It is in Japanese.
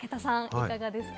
いかがですか？